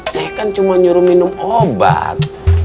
saya kan cuma nyuruh minum obat